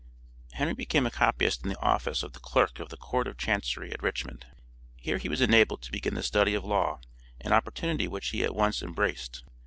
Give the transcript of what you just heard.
"] Henry became a copyist in the office of the clerk of the Court of Chancery, at Richmond. Here he was enabled to begin the study of law, an opportunity which he at once embraced.